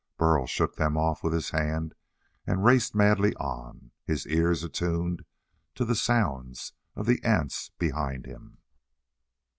Burl shook them off with his hand and raced madly on, his ears attuned to the sounds of the ants behind him.